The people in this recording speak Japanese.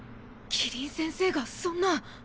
希林先生がそんな。